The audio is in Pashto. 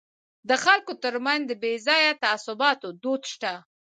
د خلکو ترمنځ د بې ځایه تعصباتو دود شته.